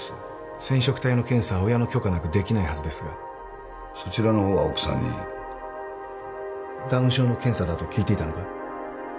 染色体の検査は親の許可なくできないはずですがそちらの方は奥さんにダウン症の検査だと聞いていたのか？